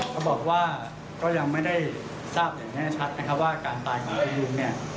เขาบอกว่าก็ยังไม่ได้ทราบอย่างแน่ชัดว่าการตายของผู้อื่น